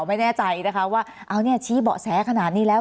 ไม่แน่ใจนะคะว่าเอาเนี่ยชี้เบาะแสขนาดนี้แล้ว